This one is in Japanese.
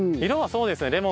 色はそうですね。